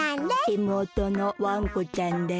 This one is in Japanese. いもうとのわんこちゃんです。